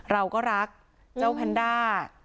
เราก็รักเจ้าแพนด้า